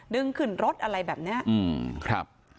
ดึงขึ้นรถอะไรแบบเนี่ย